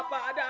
nyipah ada apa